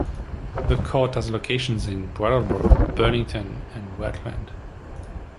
The court has locations in Brattleboro, Burlington, and Rutland.